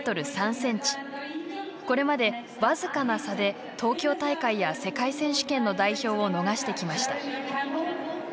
これまで僅かな差で東京大会や世界選手権の代表を逃してきました。